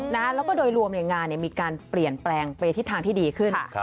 แล้วก็โดยรวมงานมีการเปลี่ยนแปลงไปทิศทางที่ดีขึ้น